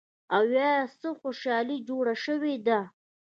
او يا څه خوشحالي جوړه شوې ده